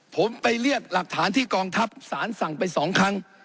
ผมไปเรียกหลักฐานที่กองทัพสารสั่งไป๒ครั้ง